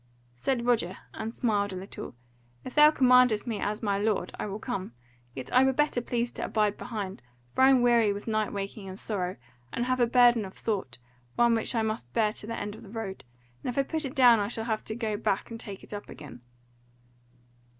Said Roger, and smiled a little: "If thou commandest me as my lord, I will come; yet I were better pleased to abide behind; for I am weary with night waking and sorrow; and have a burden of thought, one which I must bear to the end of the road; and if I put it down I shall have to go back and take it up again."